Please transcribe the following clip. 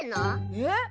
えっ？